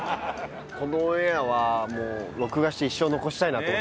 このオンエアは録画して一生残したいなと。